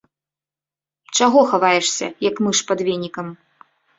Чаго хаваешся, як мыш пад венікам?